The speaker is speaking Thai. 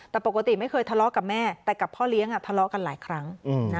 แต่ปกติไม่เคยทะเลาะกับแม่แต่กับพ่อเลี้ยงทะเลาะกันหลายครั้ง